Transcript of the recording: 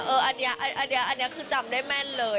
เอออันเนี้ยอันเนี้ยอันเนี้ยคือจำได้แม่นเลย